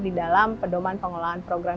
di dalam pedoman pengelolaan program